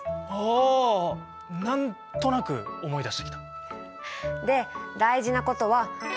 あなんとなく思い出してきた。